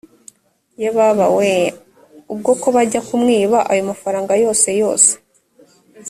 ye baba wee ubwo ko bajya kumwiba ayo mafaranga yoseyose